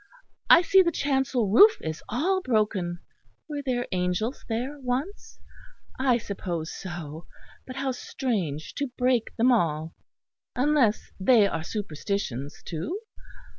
I see the chancel roof is all broken were there angels there once? I suppose so. But how strange to break them all! Unless they are superstitions, too?